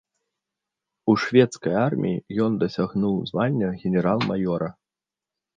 У шведскай арміі ён дасягнуў звання генерал-маёра.